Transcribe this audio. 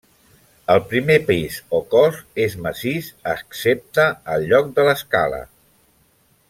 El primer pis o cos és massís, excepte al lloc de l'escala.